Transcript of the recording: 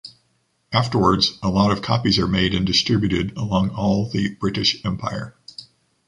Afterwards a lot of copies are made and distributed along all the British Empire.